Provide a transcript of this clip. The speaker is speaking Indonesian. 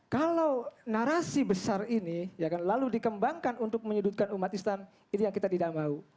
kalau narasi besar ini lalu dikembangkan untuk menyudutkan umat islam ini yang kita tidak mau